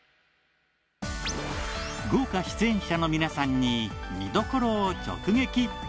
豪華出演者の皆さんに見どころを直撃！